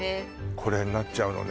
これになっちゃうのね